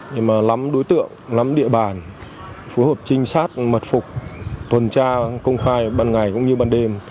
để mà lắm đối tượng lắm địa bàn phù hợp trinh sát mật phục tuần tra công khai bằng ngày cũng như bằng đêm